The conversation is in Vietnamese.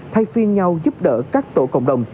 thay phiên nhau giúp đỡ các tổ cộng đồng